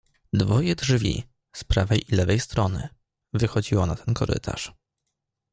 "Dwoje drzwi, z prawej i lewej strony, wychodziło na ten korytarz."